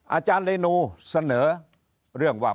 อาจารย์เรนูเสนอเรื่องว่า